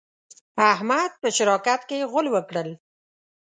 احمد په شراکت کې غول وکړل.